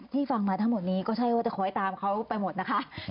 ฟังมาทั้งหมดนี้ก็ใช่ว่าจะคอยตามเขาไปหมดนะคะ